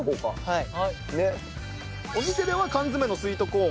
はい。